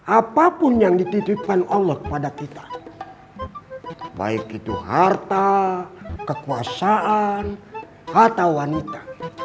apapun yang dititipkan allah kepada kita baik itu harta kekuasaan atau wanita